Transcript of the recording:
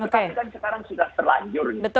tapi kan sekarang sudah terlanjur gitu